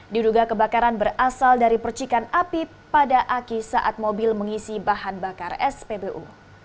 diduga kebakaran berasal dari percikan api pada aki saat mobil mengisi bahan bakar spbu